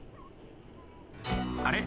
あれ？